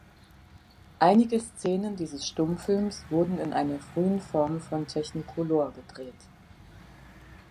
Einige Szenen dieses Stummfilms wurden in einer frühen Form von Technicolor gedreht.